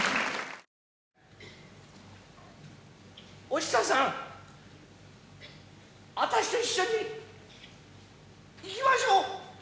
お久さんあたしと一緒に行きましょう。